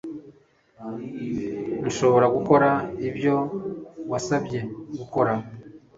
Nshobora gukora ibyo wansabye gukora